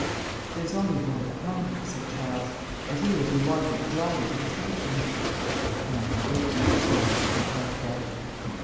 "There's only the old pony," said Charles, "and he will be wanted to drive you to the station." "Not until Tuesday," I pointed out.